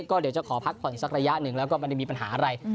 ก็เดี๋ยวจะขอพักผ่อนสักระยะหนึ่งแล้วก็ไม่ได้มีปัญหาอะไร